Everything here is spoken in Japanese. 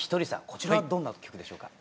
こちらはどんな曲でしょうか。